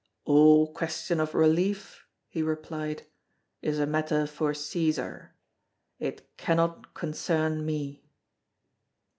"All question of relief," he replied, "is a matter for Caesar; it cannot concern me."